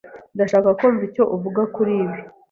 Ndashaka kumva icyo uvuga kuri ibi.